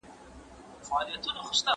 زه د سفر پر مهال کتاب لولم.